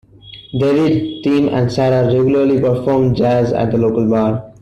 David, Tim and Sarah regularly perform jazz at the local bar.